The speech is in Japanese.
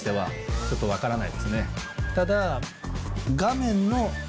ただ。